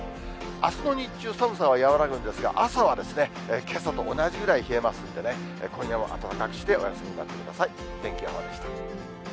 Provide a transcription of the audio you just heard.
あすの日中、寒さは和らぐんですが、朝はけさと同じぐらい冷えますんでね、今夜も暖かくしてお休みになってください。